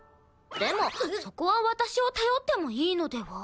でもそこは私を頼ってもいいのでは？